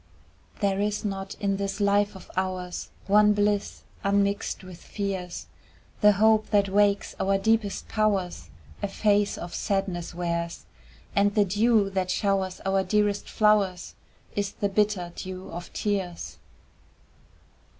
There is not in this life of ours One bliss unmixed with fears, The hope that wakes our deepest powers A face of sadness wears, And the dew that showers our dearest flowers Is the bitter dew of tears.